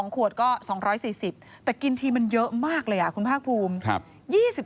ขวดก็๒๔๐แต่กินทีมันเยอะมากเลยคุณภาคภูมิ